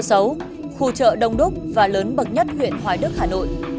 chợ xấu khu chợ đông đúc và lớn bậc nhất huyện hoài đức hà nội